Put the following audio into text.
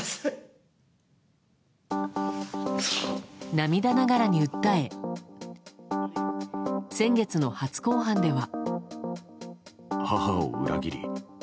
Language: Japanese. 涙ながらに訴え先月の初公判では。